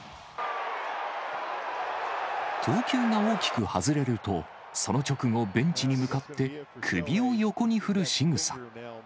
投球が大きく外れると、その直後、ベンチに向かって首を横に振るしぐさ。